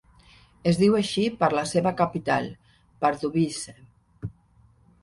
Es diu així per la seva capital, Pardubice.